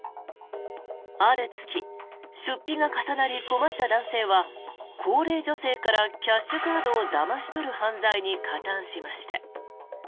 ある月出費が重なり、困った男性は高齢女性からキャッシュカードをだまし取る犯罪に加担しました。